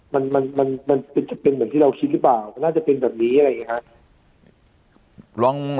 มันจะเป็นเหมือนที่เราคิดหรือเปล่ามันน่าจะเป็นแบบนี้อะไรไงฮะ